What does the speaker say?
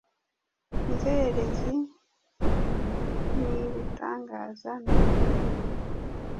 inzererezi nibitangaza Ni umurimo